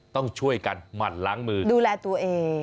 ต้องช่วยกันหมั่นล้างมือดูแลตัวเอง